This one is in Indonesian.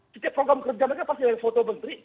setiap program kerja mereka pasti ada foto menteri